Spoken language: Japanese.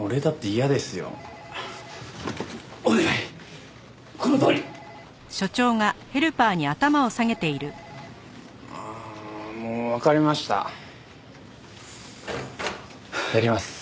やります。